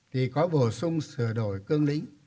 thì có bổ sung sửa đổi cương lĩnh